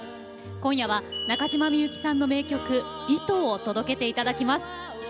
今夜は中島みゆきさんの名曲「糸」を届けていただきます。